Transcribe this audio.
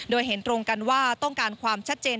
โดยเห็นตรงกันว่าต้องการความชัดเจน